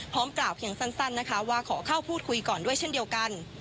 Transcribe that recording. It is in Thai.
พร้อมกราบอย่างสั้นสั้นนะคะว่าขอเข้าพูดคุยก่อนด้วยเช่นเดียวกัน